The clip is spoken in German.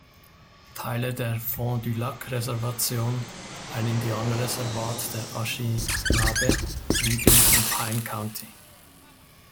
Teile der Fond du Lac Reservation, ein Indianerreservat der Anishinabe, liegen im Pine County.